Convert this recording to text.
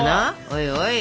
おいおい！